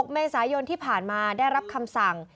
เมษายนที่ผ่านมาได้รับคำสั่ง